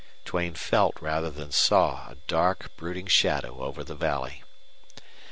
Duane felt rather than saw a dark, brooding shadow over the valley.